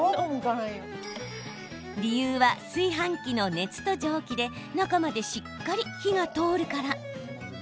理由は、炊飯器の熱と蒸気で中までしっかり火が通るから。